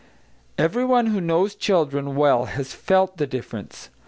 Everyone who knows children well has felt the difference.